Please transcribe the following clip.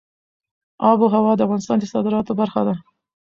آب وهوا د افغانستان د صادراتو برخه ده.